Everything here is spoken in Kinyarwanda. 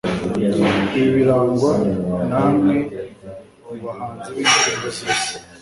ibi birangwa namwe mu bahanzi b'indirimb z'isi